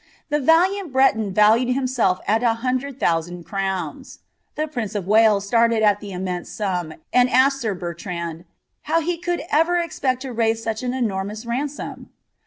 The Taliant Breton vklued Iiiniself al a hundred Ihousaml crowns ; the prince of Wales •IBited at the imniejise sum, and asked sir Bertranil " how he could ever expect to raise «uch an enormous ransom